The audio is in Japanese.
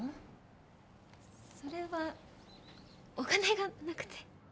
それはお金がなくて。